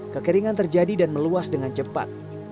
kekeringan terjadi dan meluas dengan cepat